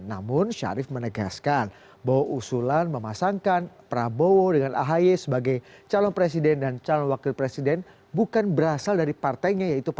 namun syarif menegaskan bahwa usulan memasangkan prabowo dengan ahy sebagai calon presiden dan calon wakil presiden bukan berasal dari partainya